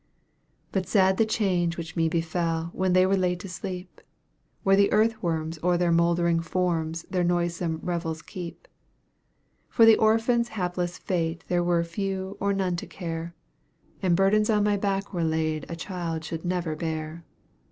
But sad the change which me befel, when they were laid to sleep, Where the earth worms o'er their mouldering forms their noisome revels keep; For of the orphan's hapless fate there were few or none to care, And burdens on my back were laid a child should never bear.